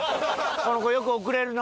この子よく遅れるの。